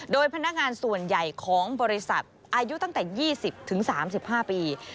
โดยพนักงานส่วนใหญ่ของบริษัทอายุตั้งแต่๒๐๓๕ปี